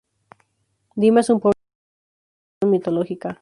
Dima es un pueblo con una gran tradición mitológica.